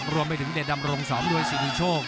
รวมไปถึงเดชน์ดำรงสองด้วยสิทธิโชค